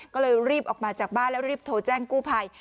ก็เลยรีบออกมาจากบ้านแล้วรีบโทรแจ้งกู้ภัย